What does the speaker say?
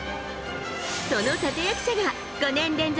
その立役者が、５年連続